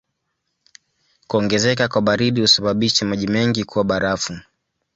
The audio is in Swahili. Kuongezeka kwa baridi husababisha maji mengi kuwa barafu.